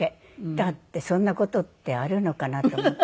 だってそんな事ってあるのかなと思って。